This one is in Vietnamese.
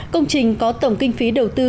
công trình có tổng kinh phí đầu tư